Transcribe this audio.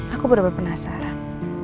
aku bener bener penasaran